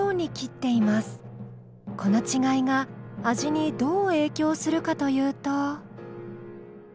この違いが味にどう影響するかというと。